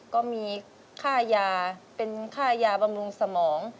ก็มีค่ายาเป็นค่ายาบำรุงสมอง